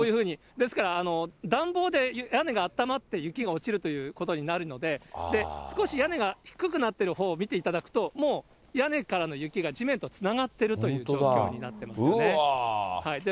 ですから、暖房で屋根が温まって雪が落ちるということになるので、少し屋根が低くなっているほうを見ていただくと、もう屋根からの雪が地面とつながってるという状況になってますよ本当だ。